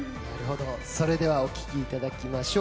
それではお聴きいただきましょう。